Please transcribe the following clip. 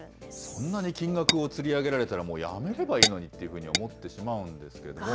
そんなに金額をつり上げられたら、もうやめればいいのにっていうふうに思ってしまうんですけれども。